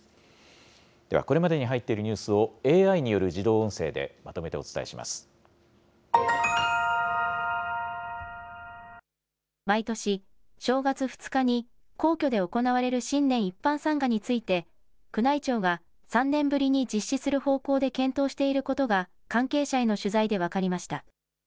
では、これまでに入っているニュースをＡＩによる自動音声でまと毎年、正月２日に、皇居で行われる新年一般参賀について、宮内庁が３年ぶりに実施する方向で検討していることが関係者への取材で分かりました。